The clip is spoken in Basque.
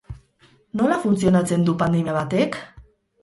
Nola funtzionatzen du pandemia batek?